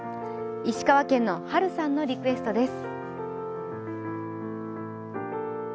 石川県のハルさんのリクエストです。